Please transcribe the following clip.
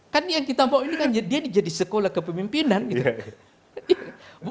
kan yang kita bawa ini kan dia jadi sekolah kepemimpinan gitu